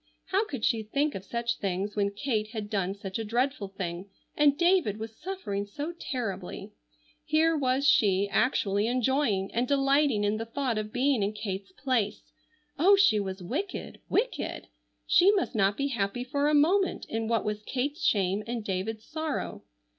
How could she think of such things when Kate had done such a dreadful thing, and David was suffering so terribly? Here was she actually enjoying, and delighting in the thought of being in Kate's place. Oh, she was wicked, wicked! She must not be happy for a moment in what was Kate's shame and David's sorrow.